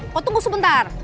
kau tunggu sebentar